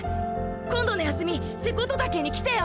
今度の休み瀬古杜岳に来てよ！